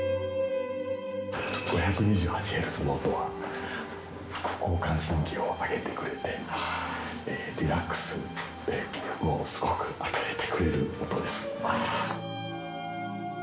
５２８Ｈｚの音は副交感神経を上げてくれてリラックスもすごく与えてくれる音です。